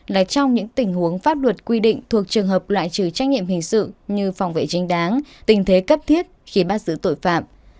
là trong những tình huống pháp luật quy định thuộc trường hợp loại trừ trách nhiệm hình sự như phòng vệ chính đáng tình thế cấp thiết khi bắt giữ tội phạm